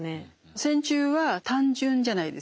線虫は単純じゃないですか。